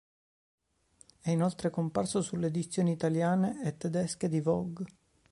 È inoltre comparso sulle edizioni italiane e tedesche di "Vogue".